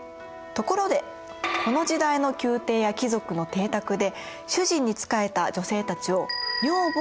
ところでこの時代の宮廷や貴族の邸宅で主人に仕えた女性たちを女房といいます。